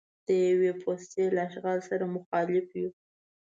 د یوې پوستې له اشغال سره مخالف یو.